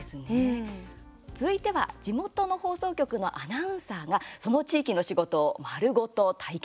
続いては地元の放送局のアナウンサーがその地域の仕事を丸ごと体験。